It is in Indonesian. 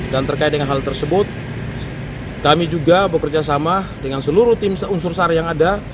dan terkait dengan hal tersebut kami juga bekerjasama dengan seluruh tim unsur sar yang ada